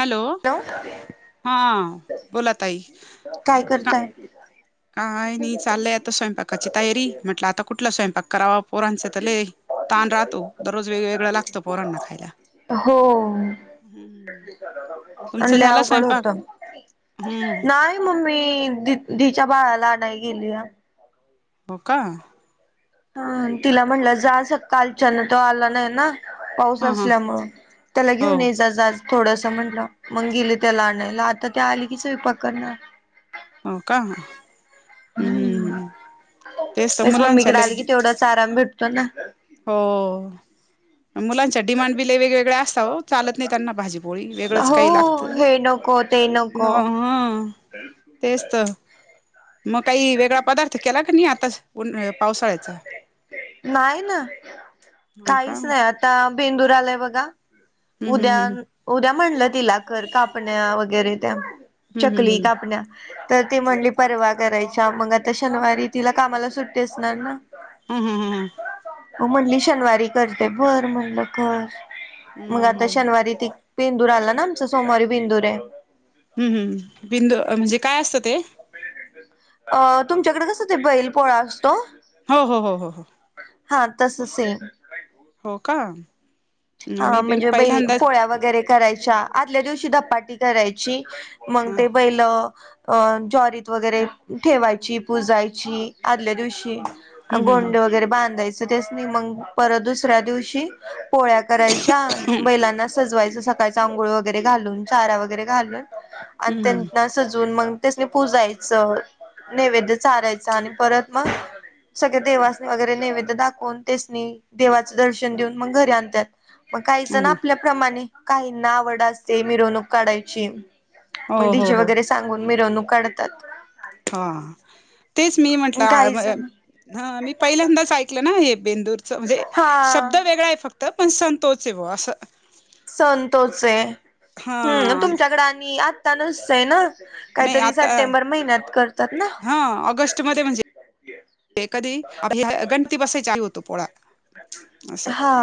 Hello hello हां बोला ताई काय का करताय? काय नाही चालय आता स्वयंपाकाची तयारी म्हटल आता कुठला स्वयंपाक करावा पोरांचे तर लई ताण राहतो दररोज वेगवेगळ लागत पोरांना खायला. हो हम्म तुमचा आणि लय झाला अवघड स्वयंपाक होत. हम्म नाही मम्मी दि दिच्या बाळाला आणायला गेलीना. हो का? हा तिला म्हंलं जा स कालचान तो आला नाही ना. पाऊस हा हा असल्यामुळ त्याला हो घेऊन येजाज आज. थोडस म्हंटलं मग गेले त्याला आणायला आता ते आली की स्वयंपाक करणार. हो का? हम्म हम्. बस मम्मीकडे आले की तेवढाच आराम भेटतो ना. हो, मग मुलांच्या डिमांड बि लय वेगवेगळ्या असत हो. चालत नाही त्यांना भाजीपोळी वेगळंच हो काही लागत, हे नको ते न नको हा. [inaudible] तेच तर मग काही वेगळा पदार्थ केला क नाही आताच पावसाळ्याचा? नाही ना, हा का काहीच नाही हम्म आता बेंदूर आलाय बघा. उद्या, हम्म उद्या म्हणलं तिला कर कापण्या वगैरे त्या. हम्म चकली हम्म कापण्या. तर ती म्हणली परवा करायच्या मग आता शनिवारी तिला कामाला सुट्टी असणार ना. हा हा हा. हो म्हणली शनिवारी करते बर म्हटलं कर मग आता हम्म शनिवारी ती बेंदूर आला ना, आमचा सोमवारी बेंदूर आहे. हम् हम् बिंदू, म्हणजे काय असतं ते? अ तुमच्याकडे कसं ते बैल पोळा असतो. हो हो हो हो. हा तस सेम. हो का? हा मी पण म्हणजे बैल पहिल्यांदाच पोळ्या वगैरे करायच्या आदल्या दिवशी धपाटी करायची. ह मग ते बैल अ ज्वारीत वगैरे ठेवायची, पुजायची आदल्या दिवशी. हम्म हम्म गोंडे वगैरे बांधायच त्यासनी. मग परत दुसऱ्या दिवशी पोळ्या करायच्या, बैलांना सजवायच स अंघोळ वगैरे घालून चारा वगैरे घालून, आणि हम्म त्यां सजून मग त्यासनी पुजायचं. नैवेद्य चारायचं आणि परत मग सगळे देवासनी वगैरे नैवेद्य दाखवून तेसनी, देवाचं दर्शन देऊन मग घरी आणतात. मग काही जण हम्म आपल्याप्रमाणे, काहींना आवड असते मिरवणूक काढायची. हो मग हो डीजे हो वगैरे सांगून मिरवणूक काढतात. हा, तेच मी काही जण म्हंटलं हा मी पहिल्यांदाच ऐ कल ना हे बेंदूरच, म्हणजे शब्द हा वेगळा आहे फक्त पण संण तोच हायबा असं. संण तोच आहे. हम्म, हा तुमच्याकडे आणि आत्ता नसतय ना. नाही काहीतरी आता सप्टेंबर महिन्यात करतात ना? हा, ऑगस्टमध्ये म्हणजे. कधी आपली गणती बसायची आदी होतो पोळा असं. हा.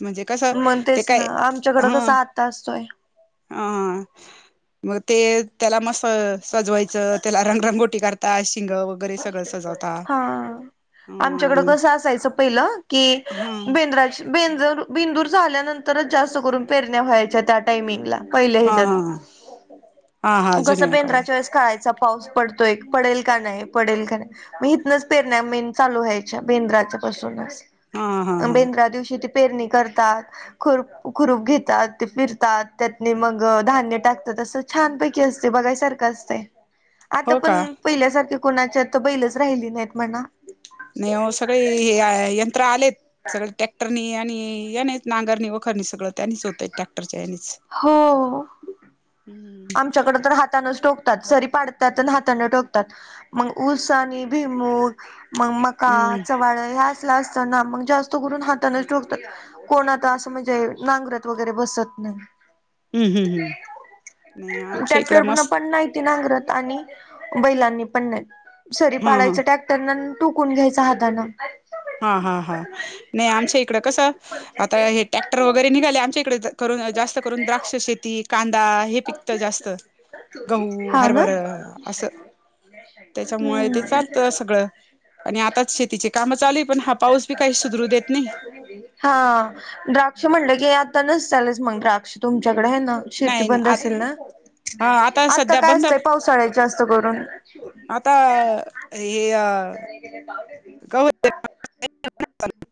म्हणजे कसं, मग ते तेच काय ना आमच्याकडं हं, कसा आत्ता असतोय. हा हा हा. मग ते त्याला मस्त सजवायचं, त्याला रंगरंगोटी करता शिंग वगैरे सगळं सजवता हा. आमच्याकडं हम्म कसं असायच पहिलं, की हा बेंद्राची बेंदर बिंदूर झाल्यानंतरच जास्त करून पेरण्या व्हायच्या त्या टायमिंगला, पहिल्या हा हा हेज्यात. हा हा कस जुन्या काळी बेंद्राच्या वेळे कायचा पाऊस पडतोय, पडेल का नाही? पडेल का नाही? मग इथनच पेरण्या मेण चालू व्हायच्या. बेंद्राच्या पासूनच. हा हा हा बेंद्रा दिवशी ती पेरणी करतात. खुरप खुरूप घेतात, ते फिरतात, त्यातने मग धान्य टाकतात. असं छानपैकी असतय, बघायसारखं असतय. आता हो पण का पहिल्यासारख्या कोणाची आता बैलच राहिली नाहीत म्हणा. नाही आवो सगळे हे यंत्र आलेत. सगळ टॅक्टरनी आणि यानीच नांगरणी, वखरणी सगळं. त्यांनीच होतय. टॅक्टरच्या यानीच. हो आमच्याकडे तर हातानच टोकतात, सरी पाडतात आण हातान टोकतात. मग ऊस आणि भुईमुग. मग मका, हम्म चवाळ ह्या असत ना. मग जास्त करून हातानेच टोकतात. कोण आता असं म्हणजे नांगरात वगैरे बसत नाही. हम्म, हम्म, हम्म, हम्म. नाही आमच्या ट्रॅक्टर इकडं पुन्हा मस्त पण नाही ते नांगरत. आणि बैलांनी पण नाही. सरी हा हा पडायचं टॅ कटरननं. टुकून घ्यायच हातान. हा हा हा. नाही आमच्या इकडं कसं, आता हे टॅक्टर वगैरे निघाले. आमच्या करून जास्त करून द्राक्ष शेती कां दा हे पिकत जास्त. गहू, हरभर असं. त्याच्यामुळे ते हम्म. चालतं सगळं. आणि आताच शेतीची काम चालू पण हा पाऊस बी काही सुधरू देत नाही. हा. द्राक्ष म्हणलं की आता नसलेच मग द्राक्ष तुमच्याकडे हाय ना? शे नाही नाही आ ना. हा आता सध्या काय बंद असतय? पावसाळ्या जास्त करून? आता केले [unintelligible] क [inaudible]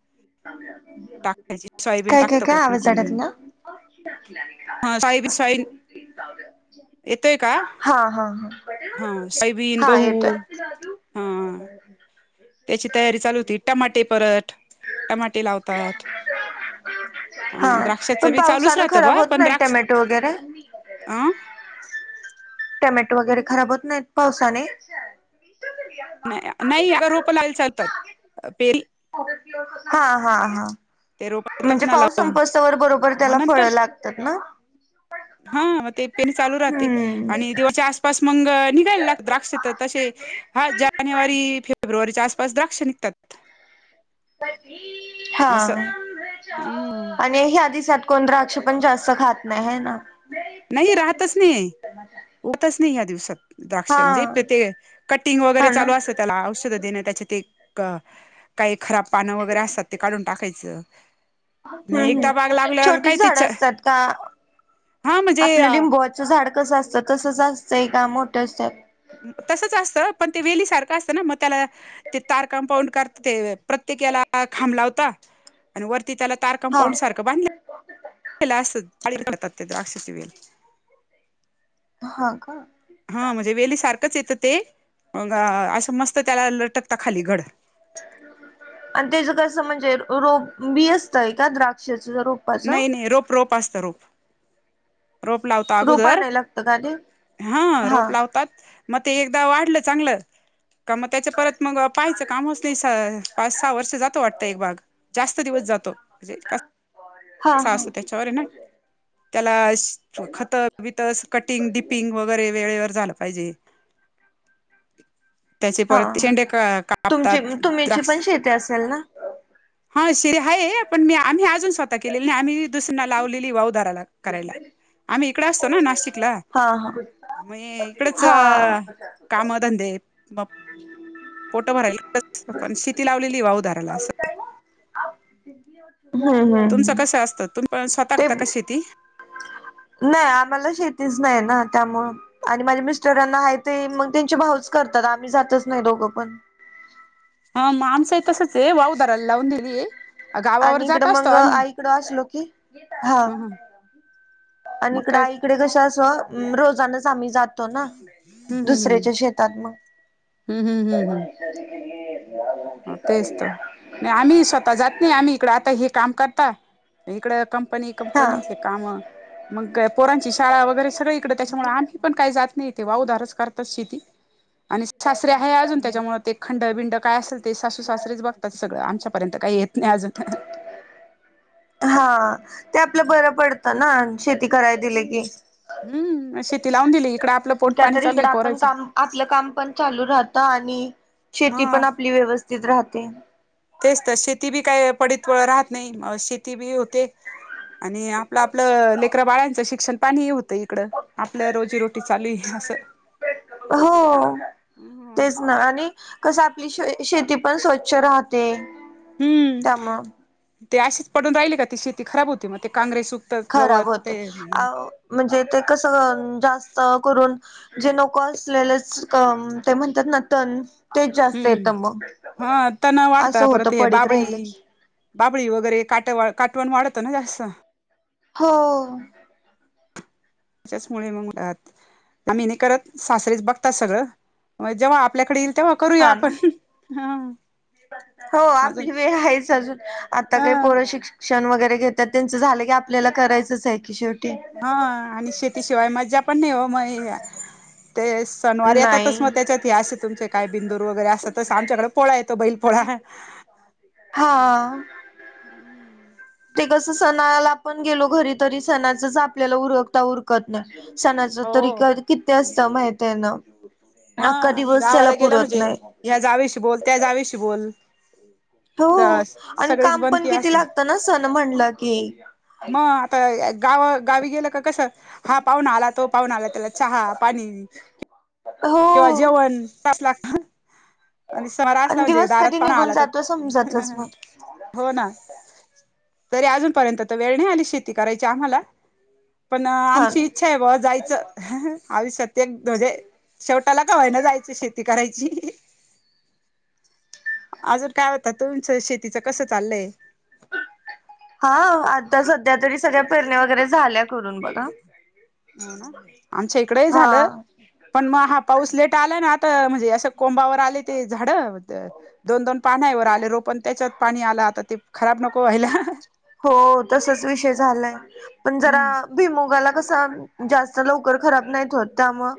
सोयाबीन काय काय टाकतं काय? कोणी आवाज कोणी आडकला. हा सायबी साईल [inaudible] येतोय का? हा हा हा हा सयबीन, गहू. ू हा [inaudible] त्याची तयारी चालू होती. टमाटे परत. टमाटे लावतात. हा आणि द्राक्षाचं पण बी चालूच पावसान राहतं खराब बा होत पण नाहीत? द्राक्ष टमॅटो वगैरे. अ टमॅटो वगैरे खराब होत नाहीत पावसाने? नाही नाही आग रोप लावेल चालतात. पेरी हा हा हा. ते रोप असतात म्हणजे ना पाऊस लावून. संपस्तवर बरोबर मग त्याला नंतर फळं लागतात ना. हा मग ते पेरनी चालू राहती. हम्म. आणि दिवच्या आस पास मग निघायला लागता. द्राक्ष तसे हा ज्या जानेवारी, फेब्रुवारीच्या आसपास द्राक्ष निघतात. हा असं हम्म आणि हे आधीसार कोण द्राक्ष पण जास्त खात नाही हाय ना. नाही राहतच नाही. होतच नाही या दिवसात. द्राक्ष, हा म्हणजे ते कटिंग हा वगैरे ना. चालू असतं. त्याला औषध देणं. त्याच्या ते काही खराब पानं वगैरे असतात. ते काढून टाकायचं. नाही एकदा बाग हु-हु लागल्यावर छोटी काय ते झाडं असतात का, हा म्हणजे आपलं लिंबू -च झाड कसं असतं तसंच असतंय का मोठं असतं. अं तसंच असतं ओ पण ते वेली सारखं असतं ना म त्याला ते तार कमपाऊंड करत ते प्रत्येक याला खांब लावता अण् वरती त्याला तार हा कंपाऊंड सारखं बांधला ला अस [unintelligible] द्राक्षाची वेल. हा का हा म्हजे वेली सारखंच येतं ते अं गं असं मस्त त्याला लटकता खाली घड. आणि त्याच कसं म्हणजे रोप बी असतंय का द्राक्षाचं रोप. नई-नई रोप रोप असतं रोप. रोप लावता रोप अगोदर, आणाय लागतं का ते? हां हा. रोप लावतात. म ते एकदा वाढलं चांगलं का म त्याचं परत मंग पाहायचं कामच नई, स पाच सहा वर्ष जातं वाटत एक बाग. जास्त दिवस जातो म्हजे [inaudible] हा कसा हा. अस्तो त्याच्यावरे न. त्याला श् खतंबितं स् कटिंग डिपिंग वगैरे वेळेवर झालं पायजे. त्याचे हा परत शेंडे कापतात द्राक्ष् -ते असेल ना. हा शेरी हाये पण मी आम्ही आज अजुन स्वतः केलेल नई आम्ही दुसना लावलेली वाव दाराला करायला. आम्ही इकडे असतो ना नाशिकला हा हा. म ए इकडेच हा कामं-धंदे [inaudible] पोटं भरायला पण शेती लावलेलीये वाऊदाराला असं हं-हं तुमचं कसं असत? तुम् पण स्वतः कता का शेती. नाय आम्हाला शेतीच नाय ना त्यामुं आणि माझ्या मिस्टरांना हाय ते मग त्यांचे भाऊच करतात, आम्ही जातच नाही दोघं पण. हा म आमचंई तसंचे वाऊ दराला लावून दिली अं गावावर आणि जात इकडं असतो मग आम्ही आईकडं असलो की हा ह-ह आणि इकड आईकडे कशी असं अ रोजानंच आम्ही जात् -तोनं हम् हम् हम् दुसऱ्याच्या शेतात मंग [inaudible] हम्म हो तेच त नई आम्हीही स्वतः जात नई आम्ही इकडें आता हे काम करता. इकडं हा कंपनी-कंपनीतले कामं मग पोरांची शाळा वगैरे सगळे इकडं त्याच्यामुळे आम्ही पण काई जात नई ते वाऊदारच करतात शेती अणी् सासरे हाय अजून त्याच्यामुळं ते खंड बिंड काय असे- सासू सासरेच बघतात सगळं आमच्यापर्यंत काई येत नई अजून ह-ह हा ते आपलं बरं पडतं न शेती कराय दिलं की. हम्म शेती लावून दिली इकडं आपलं पोट पाणी त्यातरी चालू आहे इकडं आपण पोरायचे काम आपलं काम पण चालू राहतं आणि शेती हा पण आपली व्यवस्थित राहते. तेच त शेती बी काय पडीत राहत नई म शेती बी होते. आणि आपलं आपलं ले -करा बाळ्यांचं शिक्षण पाणीही होतं इकडं आपलं रोजी रोटी चालूय असं. हो.. तेच न आणि कसं आपली श-शेती पण स्वच्छ राहते. हम्म त्यामुळ ते अशीच पडून रायली का ती शेती खराब हो ते म काांग्रेस उगतं खराब गवत होते अ ते- म्हणजे ते कसं जास्त करून. जे नको असलेलंच ते म्हणतात ना तन हम्म हा ताणा वाढता असं होतं परत हे पडीक बाबळी. राहिलं की बाबळी वगैरे काटे- काटवण वाढतं ना जास्त. हो. त्याच्याचमुळे मगात आ्ही नाही करत सासरेच बघतात सगळं म जेव्हा आपल्याकडील. तेव्हा करूया हा ना आपण हा. हो अजून आपली वेळ आहेच अजून आता हा पोर शिक्ष- क्षण वगैरे घेतात त्यांचं झालं की आपल्याला करायचंच आहे की शेवटी. हा आणि शेतीशिवाय मज्जा पण नाही हो म ते. सनवार येतातच नाही मग त्याच्यात असे तुमचे काय बिंदूर वगैरे असतात तर आमच्याकडे पोळा येतो बैल पोळा. हा. ते कस सणाला आपण गेलो घरी तरी सणाचच आपल्याला उरकता उरक- त नाही सणाच तरी हो किती असतं माहित आहे ना. अखा दिवस त्याला पुरत नाही या्या जावेशी बोल त्या जावेशी बोल. हो आणि सगळीच काम पण बनती किती असते लागतं ना सण म्हणलं की. मग आता गाव-गावी गेलं का कसं. हा पाहुून आला तो पाहुून आला त्याला चहा पाणी. हो किंवा जेवण तास लागत. आणि शहरास आणि म्हणजे दिवस दारात कधी पाण निघून आला तर. जातो समजतच नाही हो ना तरी अजूनपर्यंत तर वेळ नाही आली शेती करायची आम्हाला. पण हा आमची ना. इच्छा आहे ब जायचं आयुष्यात एक म्हजे शेवटाला का वायना जायच शेती करायची. अजून काय वाटत तुमचं शेतीच कस चाललय? हा आता सध्या तरी सगळ्या पेरणी वगैरे झाल्या करून बघा. हो ना आमच्या इकडंही झालं. हा पण मग हा पाऊस लेट आला ना आता म्हणजे असं कोंबावर आले- ते झाड दोन-दोन पानावर आले रोपण त्याच्यात पाणी आला आता ते खराब नको व्हायला. हो तसच विषय झालाय पण हम्म जरा- भुईमुगाला कसा जास्त लवकर खराब नाहीत होत त्यामु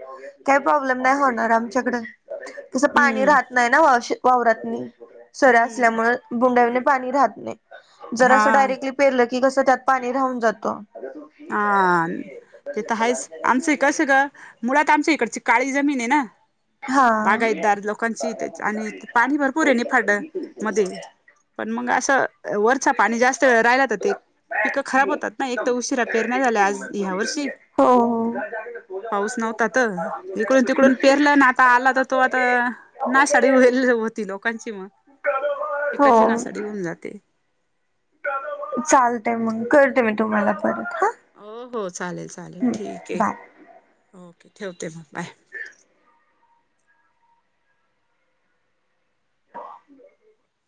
काही प्रॉब्लेम नाही होणार आमच्याकडं तसं पाणी हम्म राहत नाही ना वावरात नाही सऱ्या असल्यामुळे बुंडावीने पाणी राहत नाही जर हा असं डायरेक्टली पेरलं की कसं त्यात पाणी राहून जातं. ह. ते तर आहेच आमचं कसं ग मुळात आमच्या इकडची काळी जमीन आहे ना, हा बागायतदार लोकांची त्या आणि पाणी भरपूर आहे निफाड मध्ये. पण मग असं वरचा पाणी जास्त वेळ राहिला तर ते पिकं खराब होतात ना एक तर उशीरत. पेरण्या झाल्या आज ह्या वर्षी हो हो. पाऊस नव्हता तर. इिकडून तिकडून पेरलं ना आता आला तर तो आता, नासाडी होईल होती लोकांची मग एकाची नाशडी होऊन जाते. चालते मग करते मी तुम्हाला परत हा, हो हो चालेल चालेल हं, ठीक आहे बाय ओके ठेवते मग बाय. ह. [unintelligible]